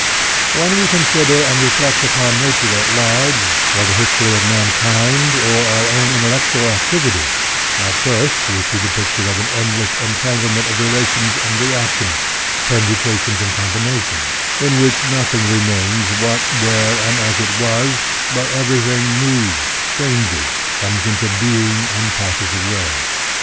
When we consider and reflect upon na ture at large, or the history of mankind, or our own intellectual activity, at first we see the picture of an endless entanglement of relations and reactions, permutations and combinations, in which nothing remains what, where, and as it was, but everything moves, changes, comes into being and passes away.